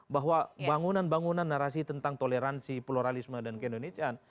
bahwa bangunan bangunan narasi tentang toleransi pluralisme dan keindonesiaan